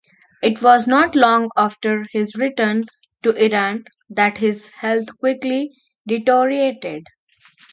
It was not long after his return to Iran that his health quickly deteriorated.